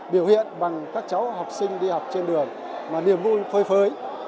biểu hiện bằng các cháu học sinh đi học trên đường mà niềm vui phơi phới